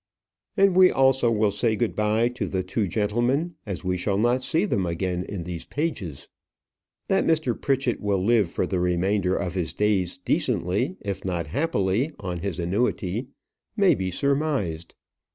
And we also will say good bye to the two gentlemen, as we shall not see them again in these pages. That Mr. Pritchett will live for the remainder of his days decently, if not happily, on his annuity, may be surmised.